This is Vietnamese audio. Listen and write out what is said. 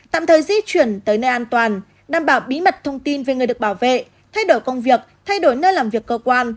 tạm thời di chuyển tới nơi an toàn đảm bảo bí mật thông tin về người được bảo vệ thay đổi công việc thay đổi nơi làm việc cơ quan